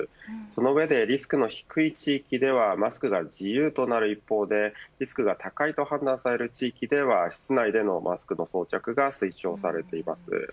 その上でリスクの低い地域ではマスクが自由となる一方でリスクが高いと判断された地域では室内でのマスクの着用が推奨されています。